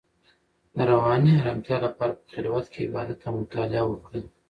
د رواني ارامتیا لپاره په خلوت کې عبادت او مطالعه وکړئ.